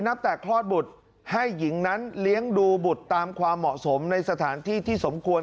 นับแต่คลอดบุตรให้หญิงนั้นเลี้ยงดูบุตรตามความเหมาะสมในสถานที่ที่สมควร